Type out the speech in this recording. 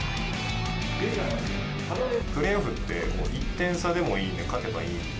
プレーオフって、１点差でもいいんで、勝てばいい。